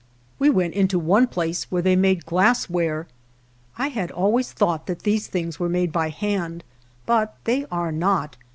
We went into one place where they made glassware. I had always thought that these things were made by hand, but they are not.